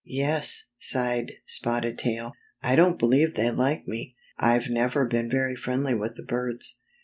" Yes," sighed Spotted Tail. " I don't believe they like me. I've never been very friendly with the birds."